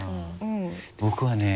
僕はね